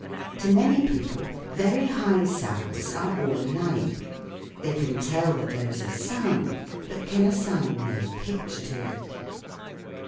To many people very high sounds are all alike : they can tell that there is a sound, but can assign no pitch to it.